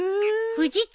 藤木！